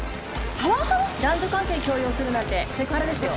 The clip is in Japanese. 男女関係強要するなんてセクハラですよ。